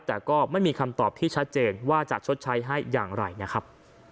แต่ก็ไม่มีคำตอบที่ชัดเจนว่าจะชดใช้ให้อย่างไรนะครับ